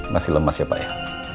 masih lemas ya pak ya